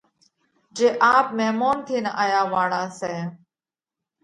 جي آپ ميمونَ ٿينَ آيا واۯا سئہ۔